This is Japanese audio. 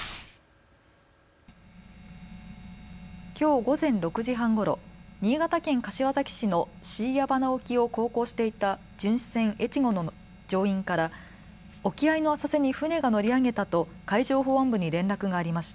きょう午前６時半ごろ、新潟県柏崎市の椎谷鼻沖を航行していた巡視船えちごの乗員から沖合の浅瀬に船が乗り上げたと海上保安部に連絡がありました。